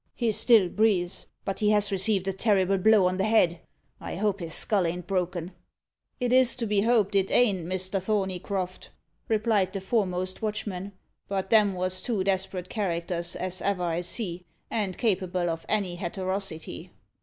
He still breathes; but he has received a terrible blow on the head. I hope his skull ain't broken." "It is to be hoped it ain't, Mr. Thorneycroft," replied the foremost watchman; "but them was two desperate characters as ever I see, and capable of any hatterosity."